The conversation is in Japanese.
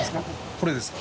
これですか？